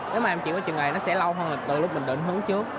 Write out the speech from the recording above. nếu mà em chuyển vào trường nghề nó sẽ lâu hơn là từ lúc mình định hướng trước